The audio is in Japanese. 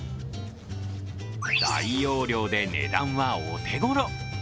大容量で値段はお手ごろ。